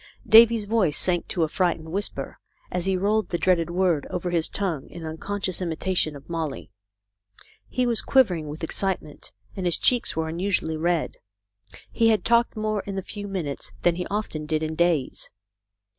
Davy's voice sank to a frightened whisper as he rolled the dread word over his tongue in unconscious imitation of Molly. He was quivering with excite ment, and his cheeks were unusually red. He had talked more in the few minutes than he often did in days.